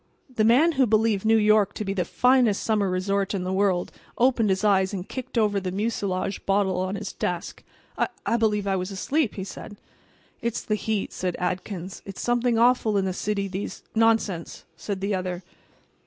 The man who believed New York to be the finest summer resort in the world opened his eyes and kicked over the mucilage bottle on his desk. "I—I believe I was asleep," he said. "It's the heat," said Adkins. "It's something awful in the city these"— "Nonsense!" said the other.